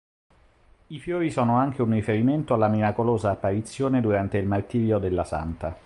I fiori sono anche un riferimento alla miracolosa apparizione durante il martirio della santa.